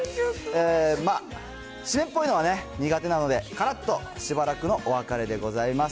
まあ、湿っぽいのは苦手なので、からっとしばらくのお別れでございます。